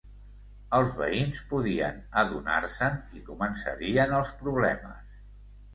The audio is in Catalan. Els veïns podien adonar-se'n i començarien els problemes.